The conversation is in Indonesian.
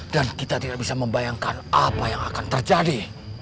dan kita tidak bisa membayangkan apa yang akan terjadi